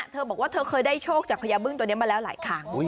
เธอบอกว่าเธอเคยได้โชคจากพญาบึ้งตัวนี้มาแล้วหลายครั้ง